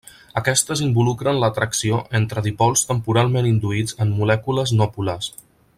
Aquestes involucren l'atracció entre dipols temporalment induïts en molècules no polars.